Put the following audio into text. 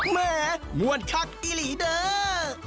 แหมมวลคลากดีลีเดอร์